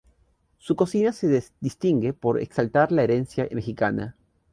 Su cocina se distingue por exaltar la herencia mexicana.